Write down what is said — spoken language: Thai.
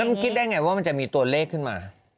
คิดได้ไงว่ามันจะมีตัวเลขขึ้นมา